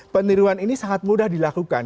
peniruan ini sangat mudah dilakukan